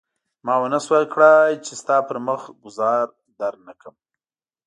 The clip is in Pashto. ما ونه شول کړای چې ستا پر مخ ګوزار درنه کړم.